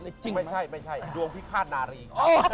ไม่ใช่ไม่ใช่ดวงพิคาทหนารี